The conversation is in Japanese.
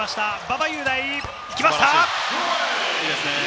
馬場雄大きました！